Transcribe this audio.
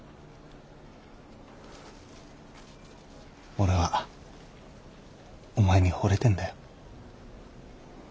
俺はお前にほれてんだよ。